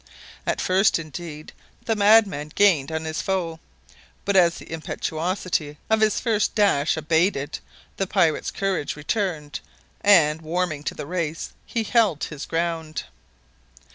At first, indeed, the madman gained on his foe, but as the impetuosity of his first dash abated, the pirate's courage returned, and, warming to the race, he held his ground.